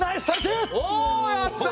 おやった！